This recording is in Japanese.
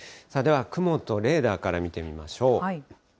では雲とレーダーから見てみましょう。